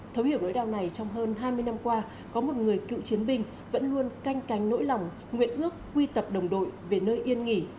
thấu hiểu nỗi đau này trong hơn hai mươi năm qua có một người cựu chiến binh vẫn luôn canh cánh nỗi lòng nguyện ước quy tập đồng đội về nơi yên nghỉ